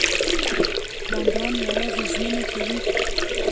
پلانران یوازې ژمنې کوي.